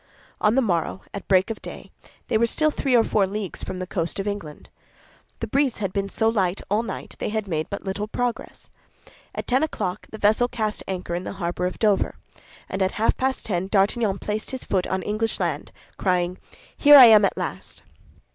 On the morrow, at break of day, they were still three or four leagues from the coast of England. The breeze had been so light all night, they had made but little progress. At ten o'clock the vessel cast anchor in the harbor of Dover, and at half past ten D'Artagnan placed his foot on English land, crying, "Here I am at last!"